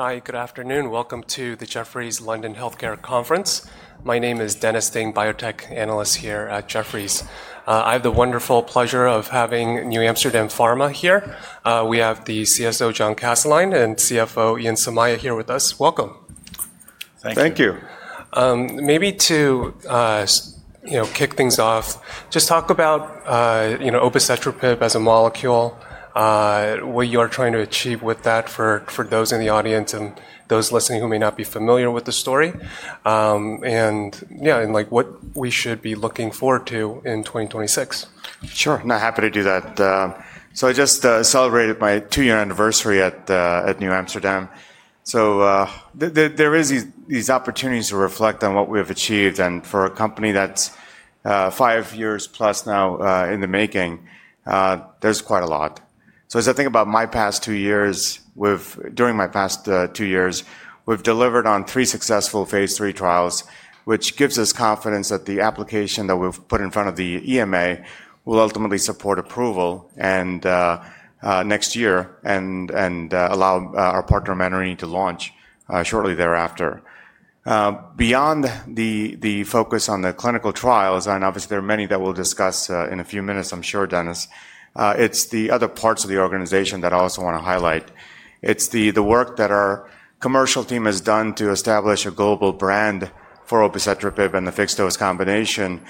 Hi, good afternoon. Welcome to the Jefferies London Healthcare Conference. My name is Dennis Ding, biotech analyst here at Jefferies. I have the wonderful pleasure of having NewAmsterdam Pharma here. We have the CSO, John Kastelein, and CFO, Ian Somaiya, here with us. Welcome. Thank you. Maybe to kick things off, just talk about obicetrapib as a molecule, what you are trying to achieve with that for those in the audience and those listening who may not be familiar with the story, and what we should be looking forward to in 2026. Sure, I'm happy to do that. I just celebrated my two-year anniversary at NewAmsterdam. There are these opportunities to reflect on what we have achieved. For a company that's five years plus now in the making, there's quite a lot. As I think about my past two years, during my past two years, we've delivered on three successful phase 3 trials, which gives us confidence that the application that we've put in front of the EMA will ultimately support approval next year and allow our partner, Menarini, to launch shortly thereafter. Beyond the focus on the clinical trials, and obviously there are many that we'll discuss in a few minutes, I'm sure, Dennis, it's the other parts of the organization that I also want to highlight. It's the work that our commercial team has done to establish a global brand for obicetrapib and the fixed-dose combination.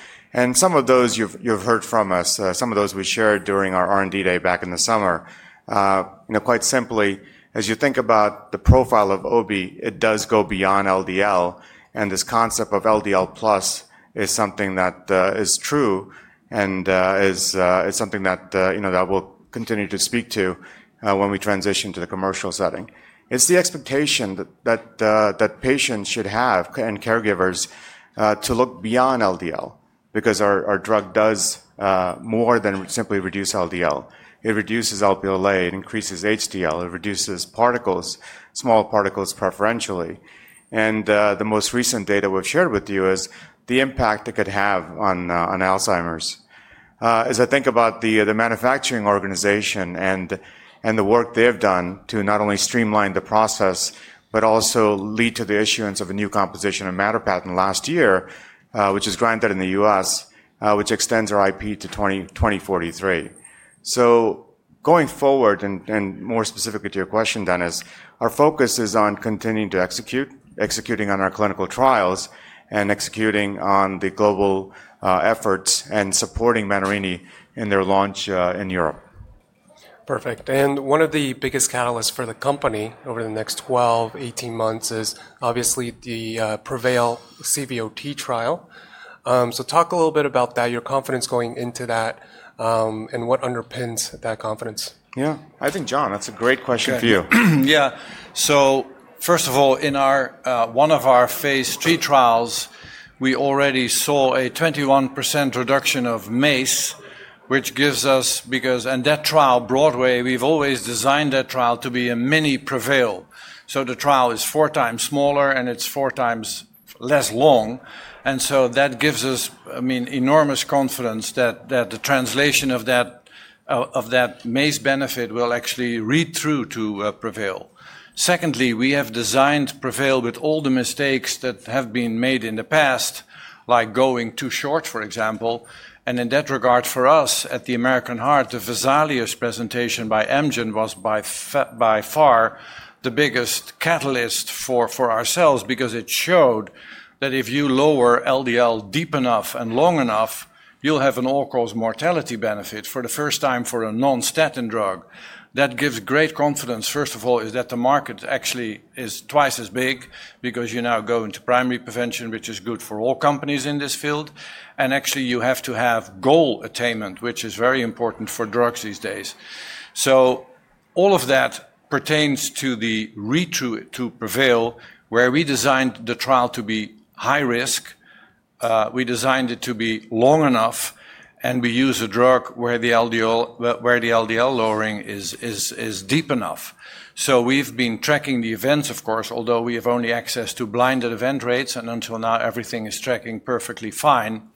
Some of those you've heard from us, some of those we shared during our R&D day back in the summer. Quite simply, as you think about the profile of OB, it does go beyond LDL. This concept of LDL plus is something that is true and is something that we'll continue to speak to when we transition to the commercial setting. It's the expectation that patients should have and caregivers to look beyond LDL because our drug does more than simply reduce LDL. It reduces LDL, it increases HDL, it reduces particles, small particles preferentially. The most recent data we've shared with you is the impact it could have on Alzheimer's. As I think about the manufacturing organization and the work they've done to not only streamline the process, but also lead to the issuance of a new composition and matter patent last year, which is granted in the U.S., which extends our IP to 2043. Going forward, and more specifically to your question, Dennis, our focus is on continuing to execute, executing on our clinical trials and executing on the global efforts and supporting Menarini in their launch in Europe. Perfect. One of the biggest catalysts for the company over the next 12, 18 months is obviously the PREVAIL CVOT trial. Talk a little bit about that, your confidence going into that and what underpins that confidence. Yeah, I think, John, that's a great question for you. Yeah. First of all, in one of our phase 3 trials, we already saw a 21% reduction of MACE, which gives us, because in that trial, Broadway, we've always designed that trial to be a mini PREVAIL. The trial is four times smaller and it's four times less long. That gives us enormous confidence that the translation of that MACE benefit will actually read through to PREVAIL. Secondly, we have designed PREVAIL with all the mistakes that have been made in the past, like going too short, for example. In that regard, for us at the American Heart, the Vesalius presentation by Amgen was by far the biggest catalyst for ourselves because it showed that if you lower LDL deep enough and long enough, you'll have an all-cause mortality benefit for the first time for a non-statin drug. That gives great confidence, first of all, is that the market actually is twice as big because you now go into primary prevention, which is good for all companies in this field. Actually, you have to have goal attainment, which is very important for drugs these days. All of that pertains to the read-through to PREVAIL, where we designed the trial to be high risk, we designed it to be long enough, and we use a drug where the LDL lowering is deep enough. We have been tracking the events, of course, although we have only access to blinded event rates. Until now, everything is tracking perfectly fine.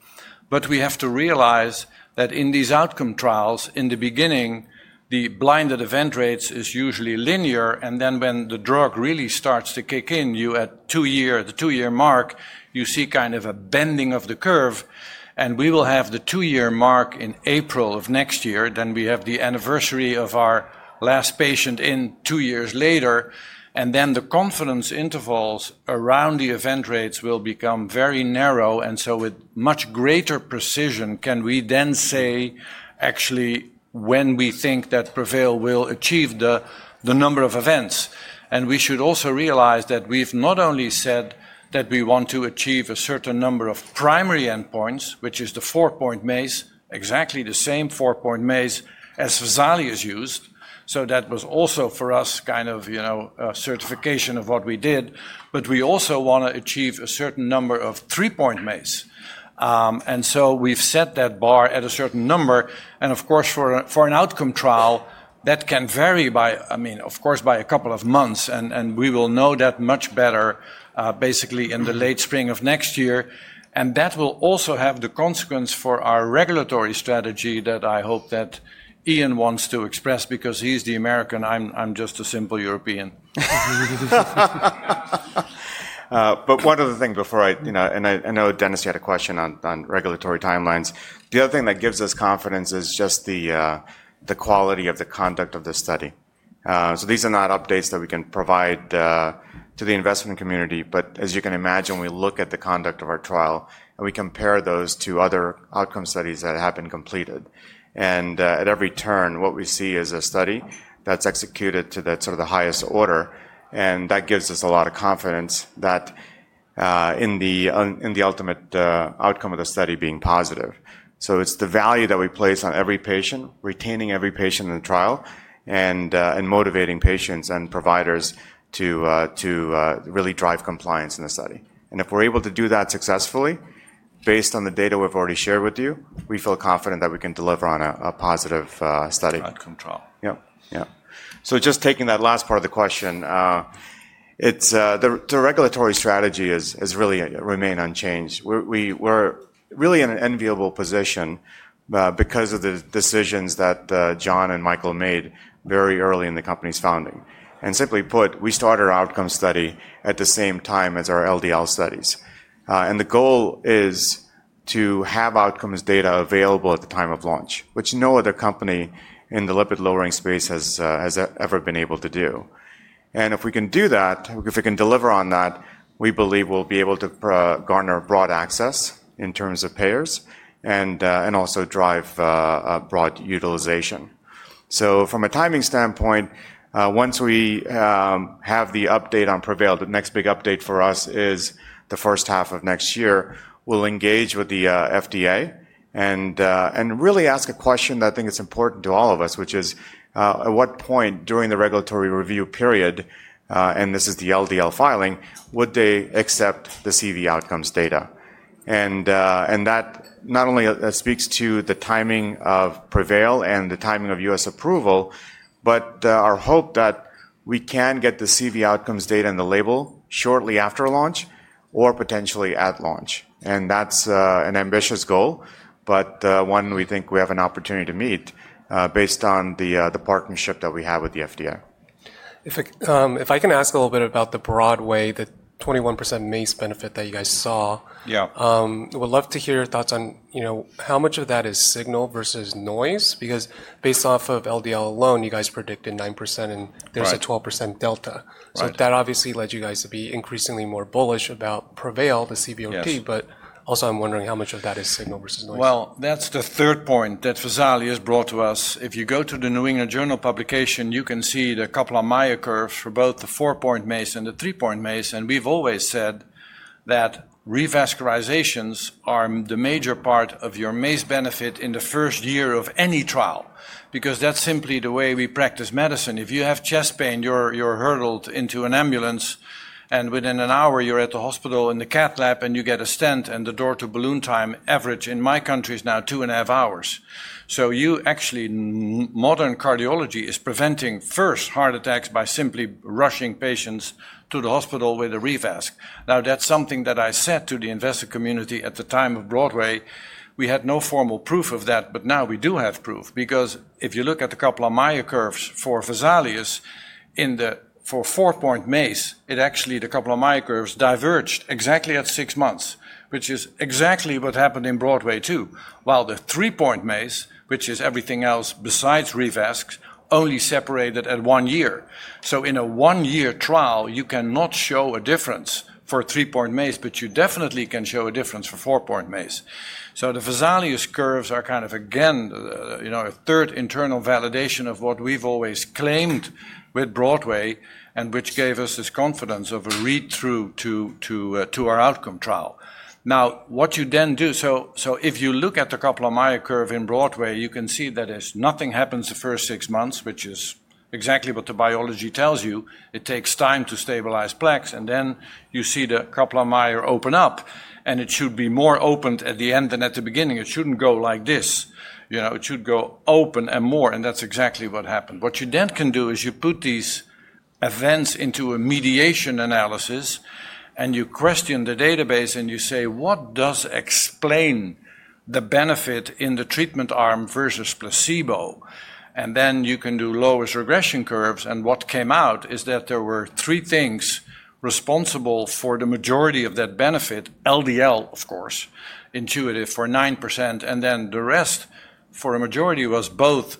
We have to realize that in these outcome trials, in the beginning, the blinded event rates is usually linear. When the drug really starts to kick in, you, at the two-year mark, see kind of a bending of the curve. We will have the two-year mark in April of next year. We have the anniversary of our last patient in two years later. The confidence intervals around the event rates will become very narrow. With much greater precision, we can then say actually when we think that PREVAIL will achieve the number of events. We should also realize that we've not only said that we want to achieve a certain number of primary endpoints, which is the four-point MACE, exactly the same four-point MACE as Vesalius used. That was also for us kind of certification of what we did. We also want to achieve a certain number of three-point MACE. We've set that bar at a certain number. Of course, for an outcome trial, that can vary by, of course, by a couple of months. We will know that much better basically in the late spring of next year. That will also have the consequence for our regulatory strategy that I hope that Ian wants to express because he's the American. I'm just a simple European. One other thing before I, and I know Dennis had a question on regulatory timelines. The other thing that gives us confidence is just the quality of the conduct of the study. These are not updates that we can provide to the investment community. As you can imagine, we look at the conduct of our trial and we compare those to other outcome studies that have been completed. At every turn, what we see is a study that's executed to that sort of the highest order. That gives us a lot of confidence in the ultimate outcome of the study being positive. It's the value that we place on every patient, retaining every patient in the trial and motivating patients and providers to really drive compliance in the study. If we're able to do that successfully, based on the data we've already shared with you, we feel confident that we can deliver on a positive study. Outcome trial. Yeah. Yeah. Just taking that last part of the question, the regulatory strategy has really remained unchanged. We're really in an enviable position because of the decisions that John and Michael made very early in the company's founding. Simply put, we started our outcome study at the same time as our LDL studies. The goal is to have outcomes data available at the time of launch, which no other company in the lipid-lowering space has ever been able to do. If we can do that, if we can deliver on that, we believe we'll be able to garner broad access in terms of payers and also drive broad utilization. From a timing standpoint, once we have the update on PREVAIL, the next big update for us is the first half of next year, we'll engage with the FDA and really ask a question that I think is important to all of us, which is at what point during the regulatory review period, and this is the LDL filing, would they accept the CV outcomes data? That not only speaks to the timing of PREVAIL and the timing of U.S. approval, but our hope that we can get the CV outcomes data in the label shortly after launch or potentially at launch. That is an ambitious goal, but one we think we have an opportunity to meet based on the partnership that we have with the FDA. If I can ask a little bit about the Broadway, the 21% MACE benefit that you guys saw, I would love to hear your thoughts on how much of that is signal versus noise? Because based off of LDL alone, you guys predicted 9% and there's a 12% delta. That obviously led you guys to be increasingly more bullish about PREVAIL, the CVOT. Also, I'm wondering how much of that is signal versus noise. That is the third point that Vesalius brought to us. If you go to the New England Journal publication, you can see the Kaplan-Meier curves for both the four-point MACE and the three-point MACE. We have always said that revascularizations are the major part of your MACE benefit in the first year of any trial because that is simply the way we practice medicine. If you have chest pain, you are hurdled into an ambulance, and within an hour, you are at the hospital in the cath lab and you get a stent and the door-to-balloon time average in my country is now two and a half hours. Actually, modern cardiology is preventing first heart attacks by simply rushing patients to the hospital with a revasc. That is something that I said to the investor community at the time of Broadway. We had no formal proof of that, but now we do have proof because if you look at the Kaplan-Meier curves for Vesalius for four-point MACE, it actually, the Kaplan-Meier curves diverged exactly at six months, which is exactly what happened in Broadway too, while the three-point MACE, which is everything else besides revasc, only separated at one year. In a one-year trial, you cannot show a difference for three-point MACE, but you definitely can show a difference for four-point MACE. The Vesalius curves are kind of, again, a third internal validation of what we've always claimed with Broadway and which gave us this confidence of a read-through to our outcome trial. Now, what you then do, if you look at the Kaplan-Meier curve in Broadway, you can see that nothing happens the first six months, which is exactly what the biology tells you. It takes time to stabilize plaques. You see the coupler MAIA open up, and it should be more opened at the end than at the beginning. It should not go like this. It should go open and more. That is exactly what happened. What you then can do is you put these events into a mediation analysis, and you question the database and you say, what does explain the benefit in the treatment arm versus placebo? You can do lowest regression curves. What came out is that there were three things responsible for the majority of that benefit: LDL, of course, intuitive for 9%, and then the rest for a majority was both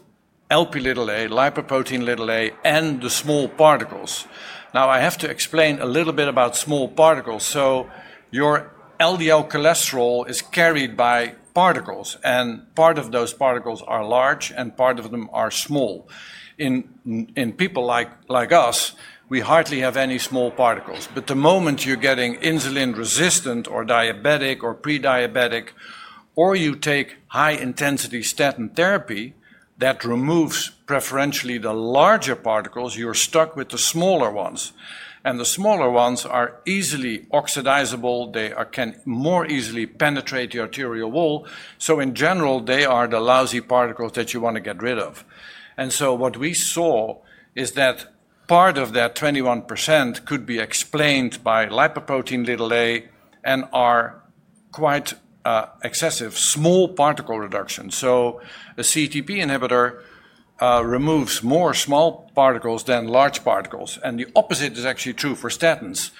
Lp(a), lipoprotein(a), and the small particles. Now, I have to explain a little bit about small particles. Your LDL cholesterol is carried by particles, and part of those particles are large and part of them are small. In people like us, we hardly have any small particles. The moment you're getting insulin resistant or diabetic or prediabetic, or you take high-intensity statin therapy that removes preferentially the larger particles, you're stuck with the smaller ones. The smaller ones are easily oxidizable. They can more easily penetrate the arterial wall. In general, they are the lousy particles that you want to get rid of. What we saw is that part of that 21% could be explained by lipoprotein(a) and our quite excessive small particle reduction. A CETP inhibitor removes more small particles than large particles. The opposite is actually true for statins.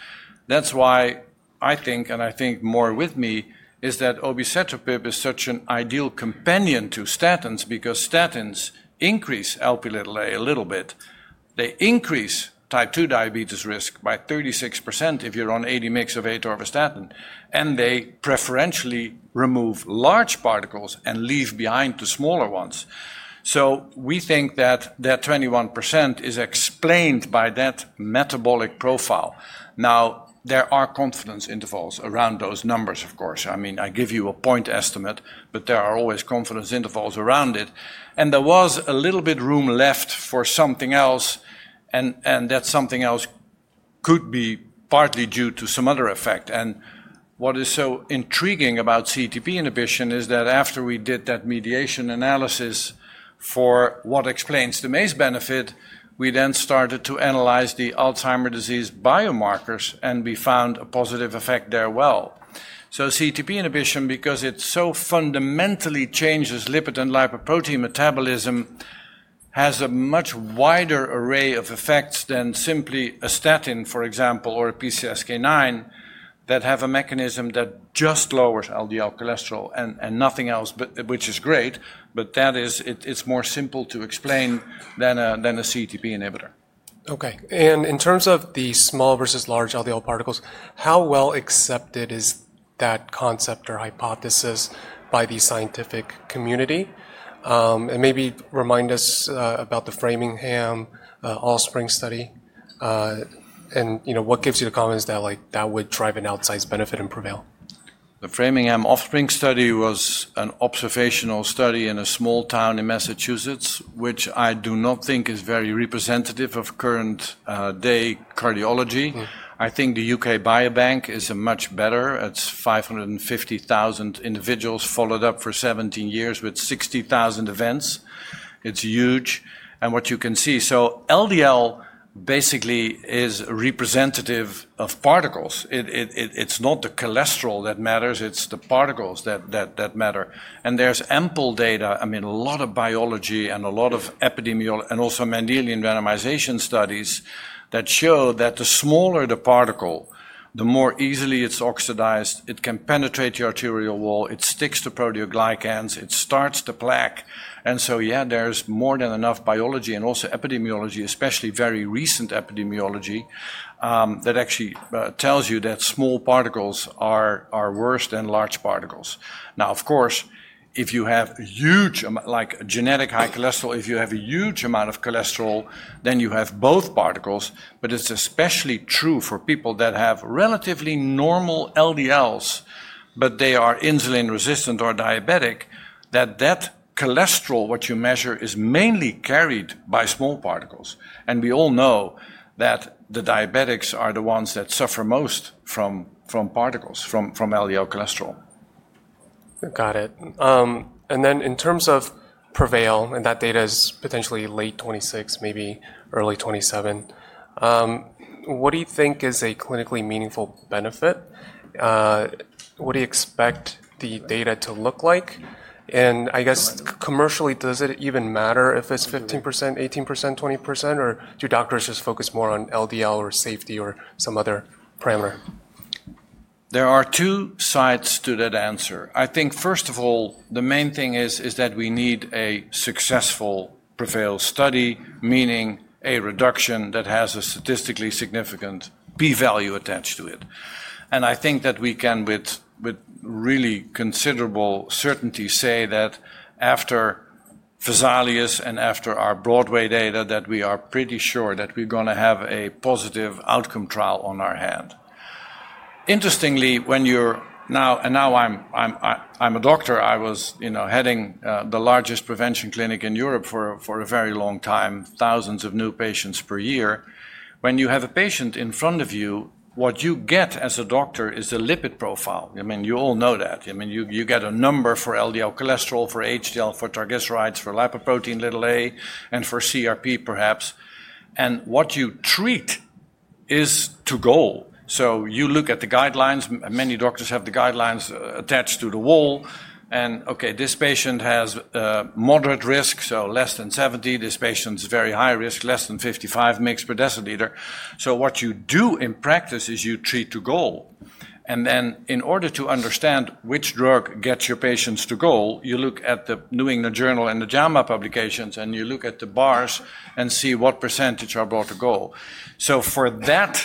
That's why I think, and I think more with me, is that obicetrapib is such an ideal companion to statins because statins increase Lp(a) a little bit. They increase type 2 diabetes risk by 36% if you're on 80 mg of atorvastatin, and they preferentially remove large particles and leave behind the smaller ones. We think that that 21% is explained by that metabolic profile. Now, there are confidence intervals around those numbers, of course. I mean, I give you a point estimate, but there are always confidence intervals around it. There was a little bit of room left for something else. That something else could be partly due to some other effect. What is so intriguing about CETP inhibition is that after we did that mediation analysis for what explains the MACE benefit, we then started to analyze the Alzheimer's disease biomarkers and we found a positive effect there as well. CETP inhibition, because it so fundamentally changes lipid and lipoprotein metabolism, has a much wider array of effects than simply a statin, for example, or a PCSK9 that have a mechanism that just lowers LDL cholesterol and nothing else, which is great, but that is, it is more simple to explain than a CETP inhibitor. Okay. In terms of the small versus large LDL particles, how well accepted is that concept or hypothesis by the scientific community? Maybe remind us about the Framingham Offspring Study. What gives you the comments that would drive an outsized benefit in PREVAIL? The Framingham Offspring Study was an observational study in a small town in Massachusetts, which I do not think is very representative of current-day cardiology. I think the U.K. Biobank is much better. It is 550,000 individuals followed up for 17 years with 60,000 events. It is huge. What you can see, LDL basically is representative of particles. It is not the cholesterol that matters. It is the particles that matter. There is ample data, I mean, a lot of biology and a lot of epidemiology and also Mendelian randomization studies that show that the smaller the particle, the more easily it is oxidized. It can penetrate the arterial wall. It sticks to proteoglycans. It starts the plaque. There is more than enough biology and also epidemiology, especially very recent epidemiology, that actually tells you that small particles are worse than large particles. Now, of course, if you have a huge amount, like genetic high cholesterol, if you have a huge amount of cholesterol, then you have both particles. It is especially true for people that have relatively normal LDLs, but they are insulin resistant or diabetic, that that cholesterol, what you measure, is mainly carried by small particles. We all know that the diabetics are the ones that suffer most from particles, from LDL cholesterol. Got it. In terms of PREVAIL, and that data is potentially late 2026, maybe early 2027, what do you think is a clinically meaningful benefit? What do you expect the data to look like? I guess commercially, does it even matter if it is 15%, 18%, 20%, or do doctors just focus more on LDL or safety or some other parameter? There are two sides to that answer. I think first of all, the main thing is that we need a successful PREVAIL study, meaning a reduction that has a statistically significant p-value attached to it. I think that we can, with really considerable certainty, say that after Vesalius and after our Broadway data, that we are pretty sure that we're going to have a positive outcome trial on our hand. Interestingly, when you're now, and now I'm a doctor, I was heading the largest prevention clinic in Europe for a very long time, thousands of new patients per year. When you have a patient in front of you, what you get as a doctor is a lipid profile. I mean, you all know that. I mean, you get a number for LDL cholesterol, for HDL, for triglycerides, for lipoprotein(a), and for CRP perhaps. What you treat is to goal. You look at the guidelines. Many doctors have the guidelines attached to the wall. Okay, this patient has moderate risk, so less than 70. This patient's very high risk, less than 55 mg per deciliter. What you do in practice is you treat to goal. In order to understand which drug gets your patients to goal, you look at the New England Journal and the JAMA publications, and you look at the bars and see what percentage are brought to goal. For that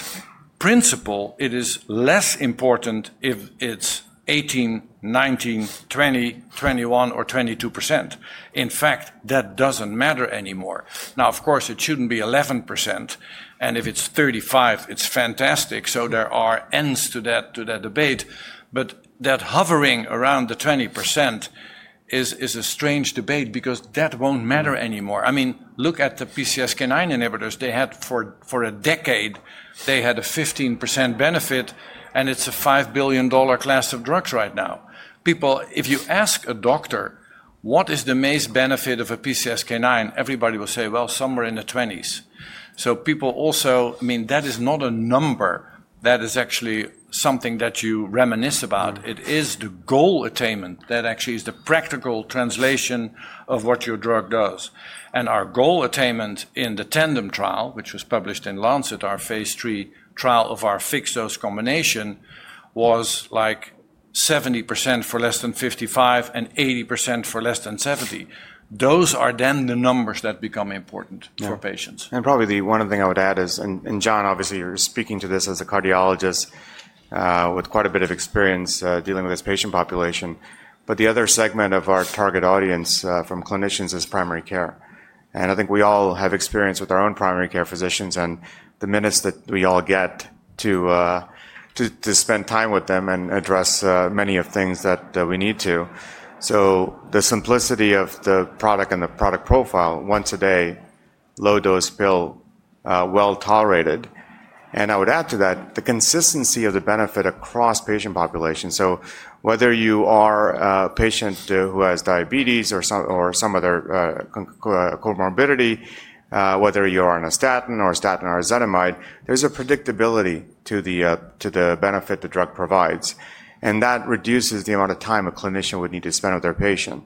principle, it is less important if it's 18%, 19%, 20%, 21%, or 22%. In fact, that doesn't matter anymore. Of course, it shouldn't be 11%. If it's 35%, it's fantastic. There are ends to that debate. That hovering around the 20% is a strange debate because that won't matter anymore. I mean, look at the PCSK9 inhibitors. They had for a decade, they had a 15% benefit, and it's a $5 billion class of drugs right now. People, if you ask a doctor, what is the MACE benefit of a PCSK9, everybody will say, well, somewhere in the 20s. People also, I mean, that is not a number. That is actually something that you reminisce about. It is the goal attainment that actually is the practical translation of what your drug does. Our goal attainment in the TANDEM trial, which was published in Lancet, our phase three trial of our fixed-dose combination, was like 70% for less than 55 and 80% for less than 70. Those are then the numbers that become important for patients. Probably the one thing I would add is, and John, obviously, you're speaking to this as a cardiologist with quite a bit of experience dealing with this patient population. The other segment of our target audience from clinicians is primary care. I think we all have experience with our own primary care physicians and the minutes that we all get to spend time with them and address many of the things that we need to. The simplicity of the product and the product profile, once a day, low dose pill, well tolerated. I would add to that the consistency of the benefit across patient populations. Whether you are a patient who has diabetes or some other comorbidity, whether you are on a statin or a statin or ezetimibe, there's a predictability to the benefit the drug provides. That reduces the amount of time a clinician would need to spend with their patient.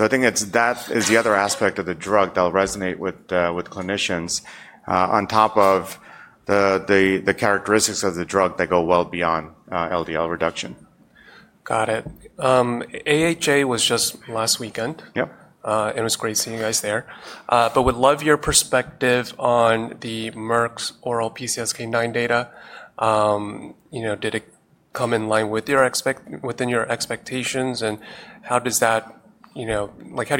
I think that is the other aspect of the drug that will resonate with clinicians on top of the characteristics of the drug that go well beyond LDL reduction. Got it. AHA was just last weekend. Yep. It was great seeing you guys there. I would love your perspective on the Merck's oral PCSK9 data. Did it come in line with your expectations, within your expectations? How do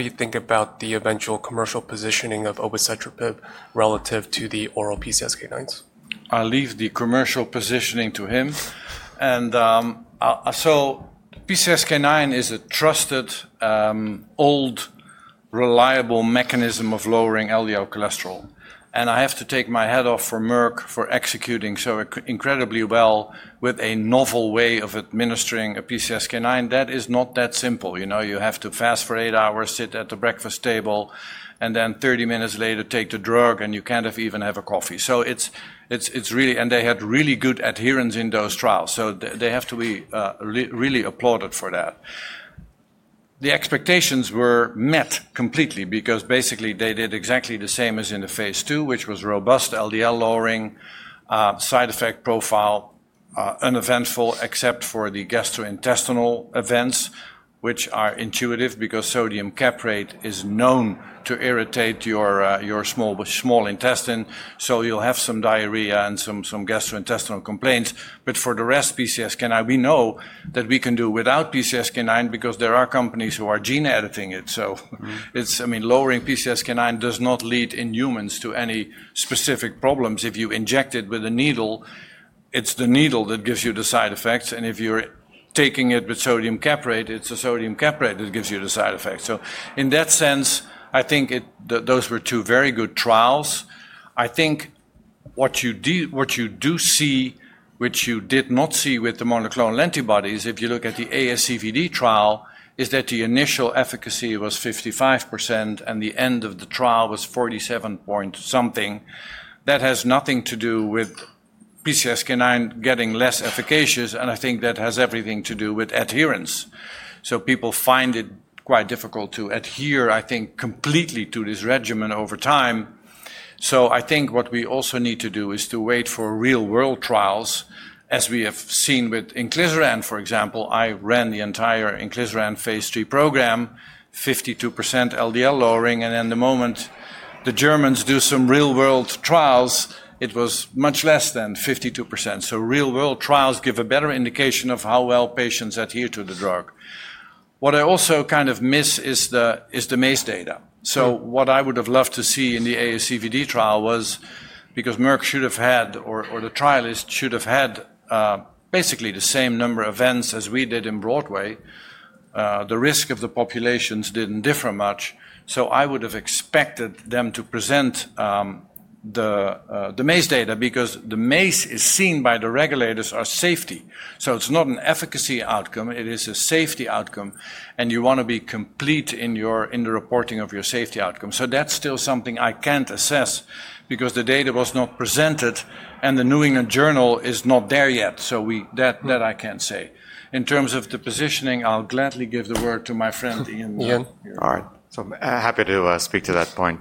you think about the eventual commercial positioning of obicetrapib relative to the oral PCSK9s? I'll leave the commercial positioning to him. PCSK9 is a trusted, old, reliable mechanism of lowering LDL cholesterol. I have to take my hat off for Merck for executing so incredibly well with a novel way of administering a PCSK9. That is not that simple. You have to fast for eight hours, sit at the breakfast table, and then 30 minutes later, take the drug, and you can't even have a coffee. It is really, and they had really good adherence in those trials. They have to be really applauded for that. The expectations were met completely because basically they did exactly the same as in the phase two, which was robust LDL lowering, side effect profile, uneventful, except for the gastrointestinal events, which are intuitive because sodium caprate is known to irritate your small intestine. You will have some diarrhea and some gastrointestinal complaints. For the rest, PCSK9, we know that we can do without PCSK9 because there are companies who are gene editing it. I mean, lowering PCSK9 does not lead in humans to any specific problems. If you inject it with a needle, it is the needle that gives you the side effects. If you are taking it with sodium caprate, it is the sodium caprate that gives you the side effects. In that sense, I think those were two very good trials. I think what you do see, which you did not see with the monoclonal antibodies, if you look at the ASCVD trial, is that the initial efficacy was 55% and the end of the trial was 47 point something. That has nothing to do with PCSK9 getting less efficacious. I think that has everything to do with adherence. People find it quite difficult to adhere, I think, completely to this regimen over time. I think what we also need to do is to wait for real-world trials. As we have seen with Inclisiran, for example, I ran the entire Inclisiran phase three program, 52% LDL lowering. In the moment the Germans do some real-world trials, it was much less than 52%. Real-world trials give a better indication of how well patients adhere to the drug. What I also kind of miss is the MACE data. What I would have loved to see in the ASCVD trial was because Merck should have had, or the trial list should have had basically the same number of events as we did in Broadway, the risk of the populations did not differ much. I would have expected them to present the MACE data because the MACE is seen by the regulators as safety. It is not an efficacy outcome. It is a safety outcome. You want to be complete in the reporting of your safety outcome. That is still something I cannot assess because the data was not presented and the New England Journal is not there yet. That I cannot say. In terms of the positioning, I will gladly give the word to my friend Ian. All right. I am happy to speak to that point.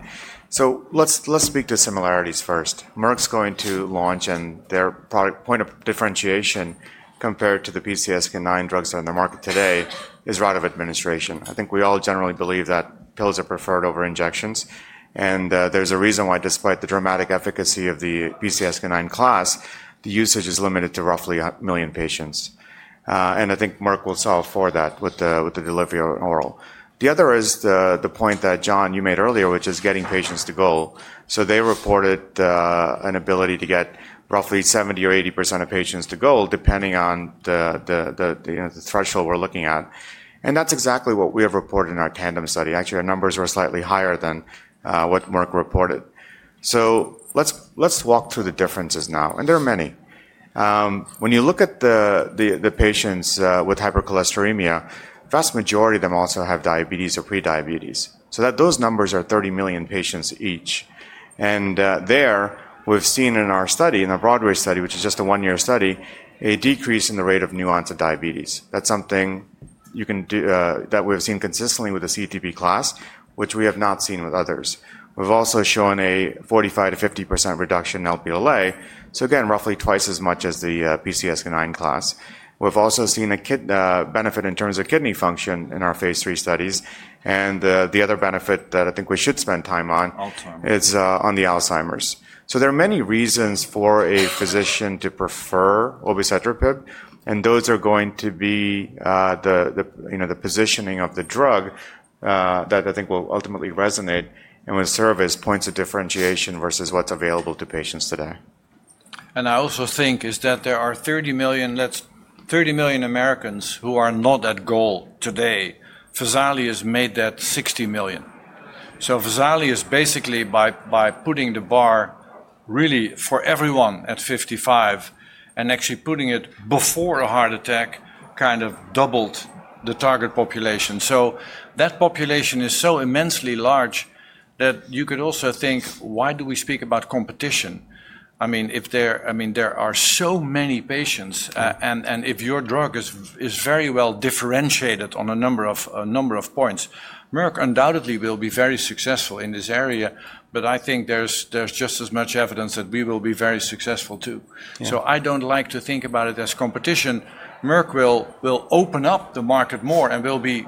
Let's speak to similarities first. Merck's going to launch and their product point of differentiation compared to the PCSK9 drugs that are in the market today is route of administration. I think we all generally believe that pills are preferred over injections. There is a reason why, despite the dramatic efficacy of the PCSK9 class, the usage is limited to roughly 1 million patients. I think Merck will solve for that with the delivery of oral. The other is the point that John, you made earlier, which is getting patients to goal. They reported an ability to get roughly 70% or 80% of patients to goal depending on the threshold we are looking at. That is exactly what we have reported in our TANDEM study. Actually, our numbers were slightly higher than what Merck reported. Let's walk through the differences now. There are many. When you look at the patients with hypercholesterolemia, the vast majority of them also have diabetes or prediabetes. Those numbers are 30 million patients each. There, we've seen in our study, in the Broadway study, which is just a one-year study, a decrease in the rate of new-onset diabetes. That's something that we've seen consistently with the CETP class, which we have not seen with others. We've also shown a 45-50% reduction in Lp(a). Again, roughly twice as much as the PCSK9 class. We've also seen a benefit in terms of kidney function in our phase three studies. The other benefit that I think we should spend time on is on the Alzheimer's. There are many reasons for a physician to prefer obicetrapib. Those are going to be the positioning of the drug that I think will ultimately resonate and will serve as points of differentiation versus what's available to patients today. I also think is that there are 30 million Americans who are not at goal today. Vesalius made that 60 million. Vesalius basically, by putting the bar really for everyone at 55 and actually putting it before a heart attack, kind of doubled the target population. That population is so immensely large that you could also think, why do we speak about competition? I mean, there are so many patients. If your drug is very well differentiated on a number of points, Merck undoubtedly will be very successful in this area. I think there's just as much evidence that we will be very successful too. I don't like to think about it as competition. Merck will open up the market more and will be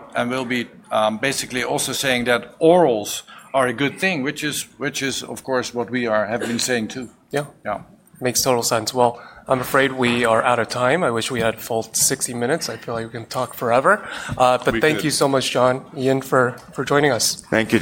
basically also saying that orals are a good thing, which is, of course, what we have been saying too. Yeah. Yeah. Makes total sense. I'm afraid we are out of time. I wish we had full 60 minutes. I feel like we can talk forever. Thank you so much, John, Ian, for joining us. Thank you.